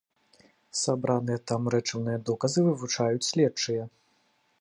Сабраныя там рэчыўныя доказы вывучаюць следчыя.